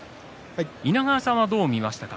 稲川さんは、どう見ましたか？